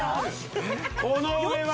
この上は？